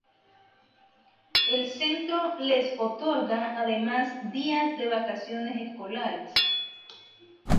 El centro les otorga además días de vacaciones escolares.